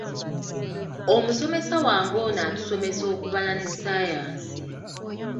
Omusomesa wange ono atusomesa okubala na ssaayansi.